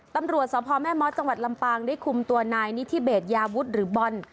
ตำรวจสพแม่ม้อจังหวัดลำปางได้คุมตัวนายนิธิเบสยาวุฒิหรือบอล